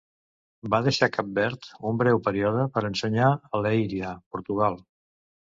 Va deixar Cap Verd un breu període per ensenyar a Leiria, Portugal.